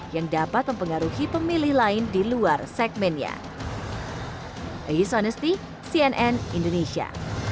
yang dapat mempengaruhi pemilih lain di luar segmennya